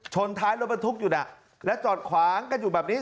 ท้ายรถบรรทุกอยู่น่ะแล้วจอดขวางกันอยู่แบบนี้